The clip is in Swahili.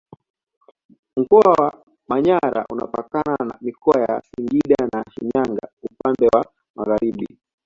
Mkoa wa Manyara unapakana na Mikoa ya Singida na Shinyanga upande wa magharibi